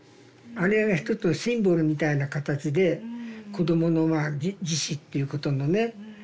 あれが一つのシンボルみたいな形で子供の自死っていうことのね。